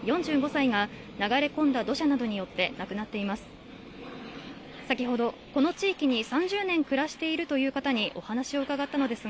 ４５歳が流れ込んだ土砂などによって亡くなっています